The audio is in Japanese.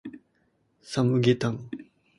サムゲタン